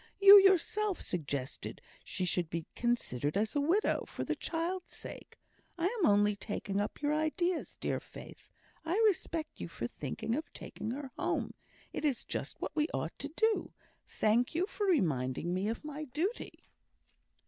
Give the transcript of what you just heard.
"You yourself suggested she should be considered as a widow, for the child's sake. I'm only taking up your ideas, dear Faith. I respect you for thinking of taking her home; it is just what we ought to do. Thank you for reminding me of my duty."